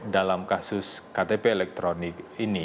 dalam kasus ktp elektronik ini